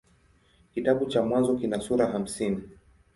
Kitabu cha Mwanzo kina sura hamsini.